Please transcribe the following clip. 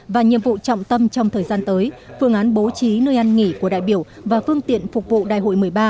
và nhiệm vụ trọng tâm trong thời gian tới phương án bố trí nơi ăn nghỉ của đại biểu và phương tiện phục vụ đại hội một mươi ba